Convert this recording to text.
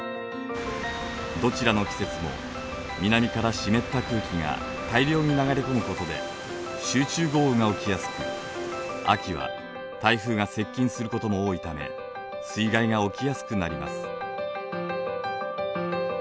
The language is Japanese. どちらの季節も南から湿った空気が大量に流れ込むことで集中豪雨が起きやすく秋は台風が接近することも多いため水害が起きやすくなります。